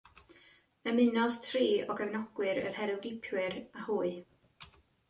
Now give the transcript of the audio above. Ymunodd tri o gefnogwyr yr herwgipwyr â hwy.